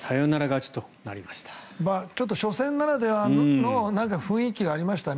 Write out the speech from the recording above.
ちょっと初戦ならではの雰囲気がありましたね。